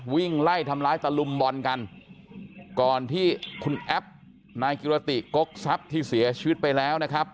วิ่งไล่ทำร้ายตะลุมบอลกันก่อนที่คุณแอปนายกิรติกกทรัพย์ที่เสียชีวิตไปแล้วนะครับ